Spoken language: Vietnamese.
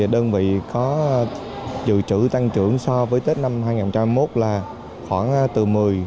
đơn vị có dự trữ tăng trưởng so với tết năm hai nghìn hai mươi một là khoảng từ một mươi